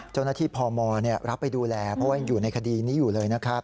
เจ้านัทธีพมศรับไปดูแลเพราะยังอยู่ในคดีนี้อยู่เลยนะครับ